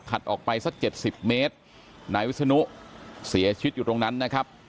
ออกไปสัก๗๐เมตรนายวิศนุเสียชีวิตอยู่ตรงนั้นนะครับ